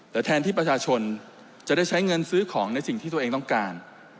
แต่แทนที่ประชาชนจะได้ใช้เงินซื้อของในสิ่งที่ตัวเองต้องการ